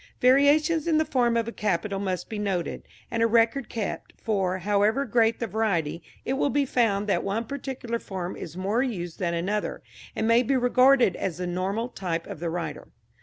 Variations in the form of a capital must be noted, and a record kept, for, however great the variety, it will be found that one particular form is more used than another, and may be regarded as the normal type of the writer.